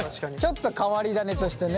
ちょっと変わり種としてね。